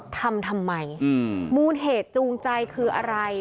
ทำทำไมมูลเหตุจูงใจคืออะไร